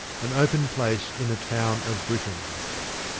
An open place in a town of Britain.